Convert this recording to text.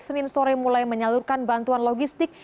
senin sore mulai menyalurkan bantuan logistik